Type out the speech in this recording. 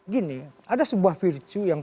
gini ada sebuah virtue yang